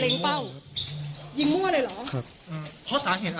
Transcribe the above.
แล้วก็ได้คุยกับนายวิรพันธ์สามีของผู้ตายที่ว่าโดนกระสุนเฉียวริมฝีปากไปนะคะ